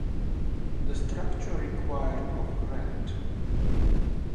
The structure required of granite.